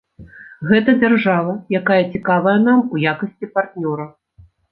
Гэта дзяржава, якая цікавая нам у якасці партнёра.